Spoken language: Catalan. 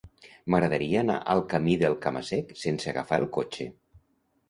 M'agradaria anar al camí del Cama-sec sense agafar el cotxe.